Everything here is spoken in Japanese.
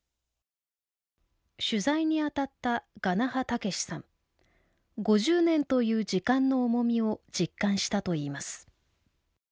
取材にあたった５０年という時間の重みを実感したといいます。